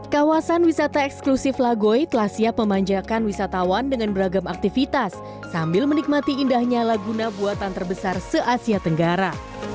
kawasan wisata eksklusif lagoy telah siap memanjakan wisatawan dengan beragam aktivitas sambil menikmati indahnya laguna buatan terbesar se asia tenggara